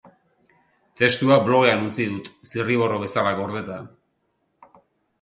Testua blogean utzi dut, zirriborro bezala gordeta.